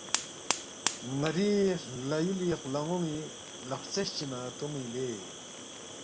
ن٘ری ہلا یُولی ہلان٘ون٘ی لق ہرژیس چی نہ تون٘ی لے